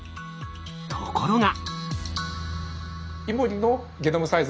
ところが。